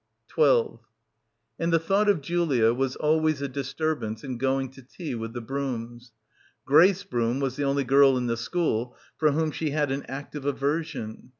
— 285 — PILGRIMAGE 12 And the thought of Julia was always a dis turbance in going to tea with the Brooms. Grace Broom was the only girl in the school for whom she had an active aversion.